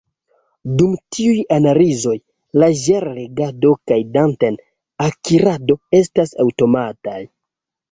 Dum tiuj analizoj, la ĝel-legado kaj daten-akirado estas aŭtomataj.